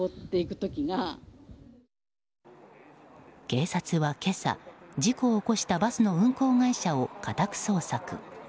警察は今朝、事故を起こしたバスの運行会社を家宅捜索。